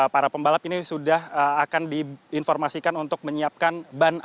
para pembalap ini sudah akan diinformasikan untuk menyiapkan ban